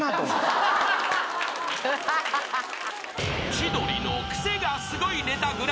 ［『千鳥のクセがスゴいネタＧＰ』］